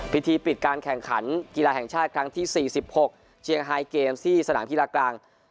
พิธีปิดการแข่งขันกีฬาแห่งชาติครั้งที่๔๖เชียงไฮเกมที่สนามกีฬากลาง